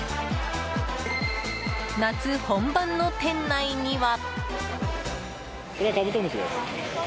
夏本番の店内には。